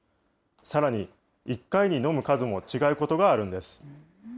さらに、１回に飲む数も違うことがあるんです。